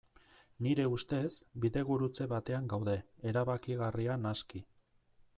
Nire ustez, bidegurutze batean gaude, erabakigarria naski.